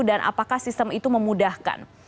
dan apakah sistem itu memudahkan